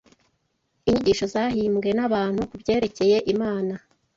inyigisho zahimbwe n’abantu ku byerekeye Imana